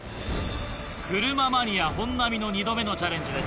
車マニア本並の２度目のチャレンジです。